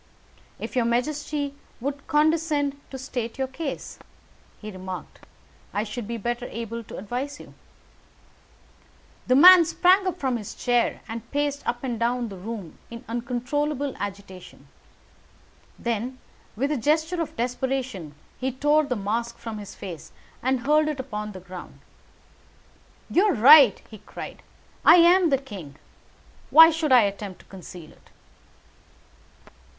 "If your majesty would condescend to state your case," he remarked, "I should be better able to advise you." The man sprung from his chair, and paced up and down the room in uncontrollable agitation. Then, with a gesture of desperation, he tore the mask from his face and hurled it upon the ground. "You are right," he cried, "I am the king. Why should I attempt to conceal it?"